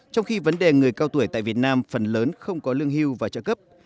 trong khi vấn đề người cao tuổi tại việt nam phần lớn không có lương hưu và trợ cấp